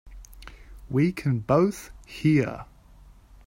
We can both hear.